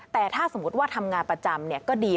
แต่ถ้าสมมุติว่าทำงานประจำก็ดี